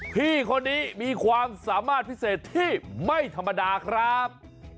พี่คนนี้มีความสามารถพิเศษที่ไม่ธรรมดาครับ